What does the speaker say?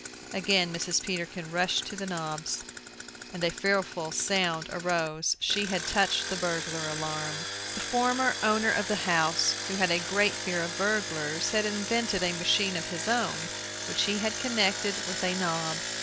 Again Mrs. Peterkin rushed to the knobs, and a fearful sound arose. She had touched the burglar alarm! The former owner of the house, who had a great fear of burglars, had invented a machine of his own, which he had connected with a knob.